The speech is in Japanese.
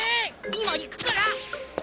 今行くから！